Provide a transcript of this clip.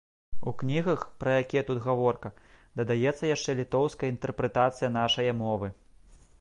У кнігах, пра якія тут гаворка, дадаецца яшчэ літоўская інтэрпрэтацыя нашае мовы.